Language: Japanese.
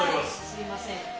すみません。